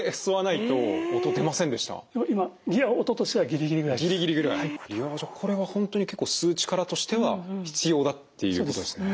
いやじゃあこれは本当に結構吸う力としては必要だっていうことですね。